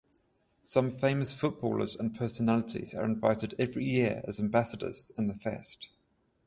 Some famous footballers and personalities are invited every year as ambassadors in the fest.